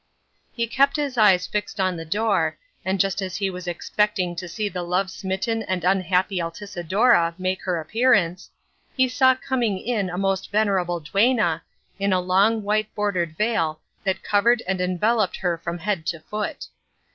He kept his eyes fixed on the door, and just as he was expecting to see the love smitten and unhappy Altisidora make her appearance, he saw coming in a most venerable duenna, in a long white bordered veil that covered and enveloped her from head to foot.